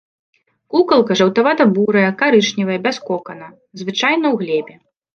Кукалка жаўтавата-бурая, карычневая, без кокана, звычайна ў глебе.